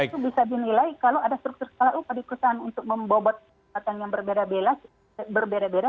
itu bisa dinilai kalau ada struktur skala upah di perusahaan untuk membobot hutang yang berbeda beda